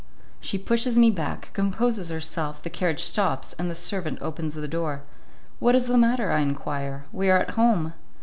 She pushes me back, composes herself, the carriage stops, and the servant opens the door. "What is the matter?" I enquire. "We are at home."